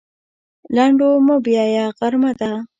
لنډو مه بیایه غرمه ده.